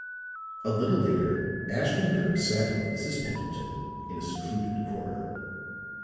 A little later Ashton Kirk sat with Mrs. Pendleton in a secluded corner.